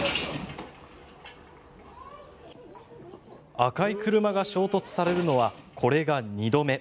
赤い車が衝突されるのはこれが２度目。